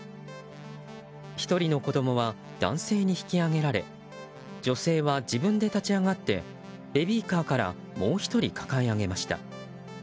１人の子供は男性に引き上げられ女性は自分で立ち上がってベビーカーからもう１人、抱え上げました。